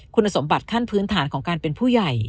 คุณสมบัติขั้นพื้นฐานของการเป็นผู้ใหญ่